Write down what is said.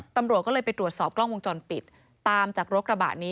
ตำรวจก็เลยไปตรวจสอบกล้องวงจรปิดตามจากรถกระบะนี้